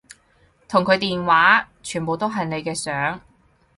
同佢電話全部都係你嘅相